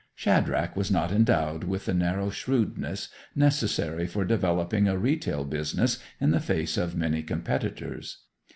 Shadrach was not endowed with the narrow shrewdness necessary for developing a retail business in the face of many competitors.